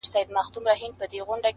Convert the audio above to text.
صبر د هیلو د ونې ساتونکی دی!